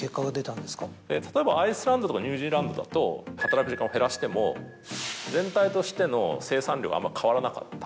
例えばアイスランドとかニュージーランドだと働く時間を減らしても全体としての生産量はあんま変わらなかった。